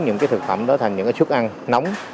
những cái thực phẩm đó thành những cái suất ăn nóng